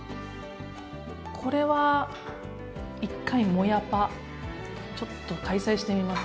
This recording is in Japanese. これは一回「もやパ」ちょっと開催してみます。